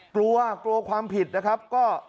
กลัวกลัวความผิดนะครับก็